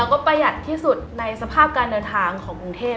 แล้วก็ประหยัดที่สุดในสภาพการเดินทางของกรุงเทพ